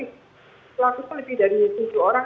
laku itu lebih dari tujuh orang